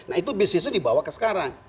nah itu bisnisnya dibawa ke sekarang